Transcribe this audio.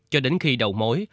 cho đến khi đầu mối